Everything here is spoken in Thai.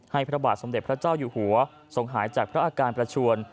พระบาทสมเด็จพระเจ้าอยู่หัวทรงหายจากพระอาการประชวน